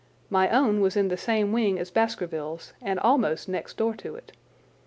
My own was in the same wing as Baskerville's and almost next door to it.